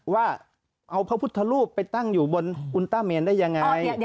ว่าเอาพระพุทธรูปไปตั้งอยู่บนอุณต้าเมนได้ยังไง